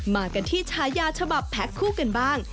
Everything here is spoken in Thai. มากันที่ฉายาฉบับแพ็คคู่กันบ้าง